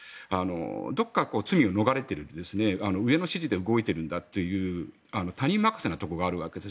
どこか罪を逃れている上の指示で動いているんだという他人任せなところがあるわけです。